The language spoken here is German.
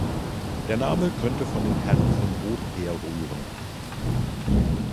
Der Name könnte von den Herren von Rot herrühren.